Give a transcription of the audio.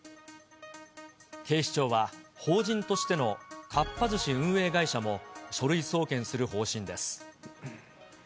警視庁は、法人としてのかっぱ寿司運営会社も書類送検する方針です。